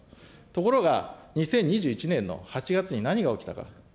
ところが、２０２１年の８月に何が起きたか。